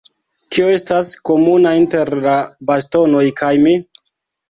Kio estas komuna inter la bastonoj kaj mi?